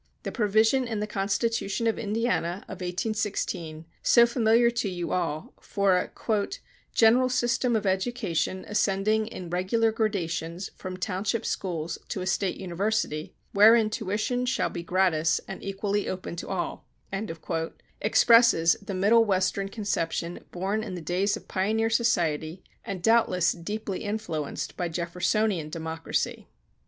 The provision in the Constitution of Indiana of 1816, so familiar to you all, for a "general system of education ascending in regular gradations from township schools to a State University, wherein tuition shall be gratis and equally open to all," expresses the Middle Western conception born in the days of pioneer society and doubtless deeply influenced by Jeffersonian democracy.